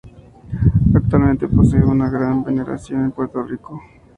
Actualmente posee una gran veneración en Puerto Rico.